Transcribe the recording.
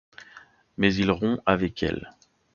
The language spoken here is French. Mais il rompt avec elle.